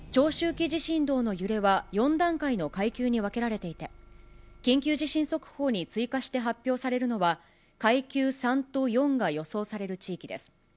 長周期地震動の揺れは４段階の階級に分けられていて、緊急地震速報に追加して発表されるのは、階級３と４が予想される地域です。